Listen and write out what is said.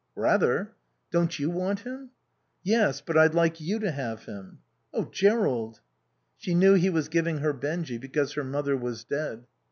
"Rather." "Don't you want him?" "Yes. But I'd like you to have him." "Oh, Jerrold." She knew he was giving her Benjy because her mother was dead.